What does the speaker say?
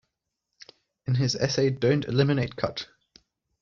In his essay Don't Eliminate Cut!